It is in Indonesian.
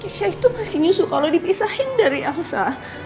kesya itu masih nyusu kalau dipisahin dari elsa